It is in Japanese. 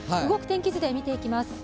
動く天気図で見ていきます。